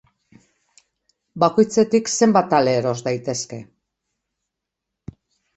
Bakoitzetik zenbat ale eros daitezke?